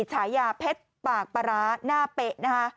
ใช้ยาเพชรปากประหราหน้าเปะนะฮะ